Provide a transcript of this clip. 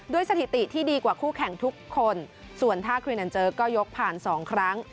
สถิติที่ดีกว่าคู่แข่งทุกคนส่วนท่าครีนันเจอร์ก็ยกผ่านสองครั้ง